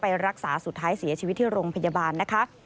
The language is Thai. รักษาสุดท้ายเสียชีวิตที่โรงพยาบาลนะคะ